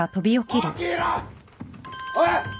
おい！